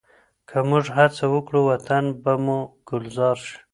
که موږ هڅه وکړو، وطن به مو ګلزار شي.